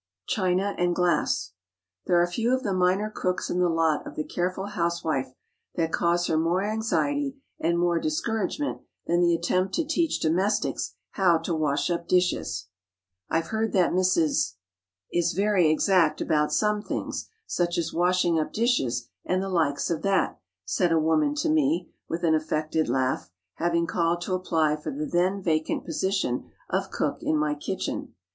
CHINA AND GLASS. There are few of the minor crooks in the lot of the careful housewife that cause her more anxiety and more discouragement than the attempt to teach domestics how to wash up dishes. "I've heard that Mrs. —— is very exact about some things, such as washing up dishes and the likes of that!" said a woman to me, with an affected laugh, having called to apply for the then vacant position of cook in my kitchen.